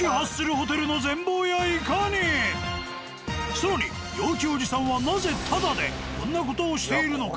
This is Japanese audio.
更に陽気おじさんはなぜタダでこんな事をしているのか？